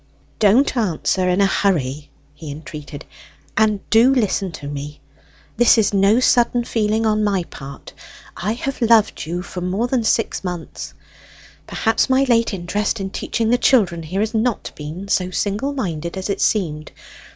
"Don't answer in a hurry!" he entreated. "And do listen to me. This is no sudden feeling on my part. I have loved you for more than six months! Perhaps my late interest in teaching the children here has not been so single minded as it seemed.